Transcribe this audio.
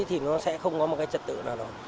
thì nó sẽ không có một cái trật tự nào đó